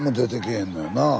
へんのよなあ。